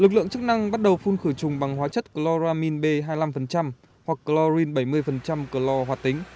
lực lượng chức năng bắt đầu phun khử trùng bằng hóa chất chloramine b hai mươi năm hoặc chlorine bảy mươi chlor hoạt tính